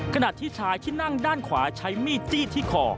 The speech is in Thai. ขณะที่ชายที่นั่งด้านขวาใช้มีดจี้ที่คอ